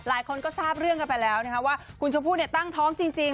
หลายคนก็ทราบเรื่องกันไปแล้วนะคะว่าคุณชมพู่ตั้งท้องจริง